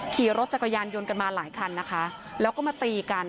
ขี่รถจักรยานยนต์กันมาหลายคันนะคะแล้วก็มาตีกัน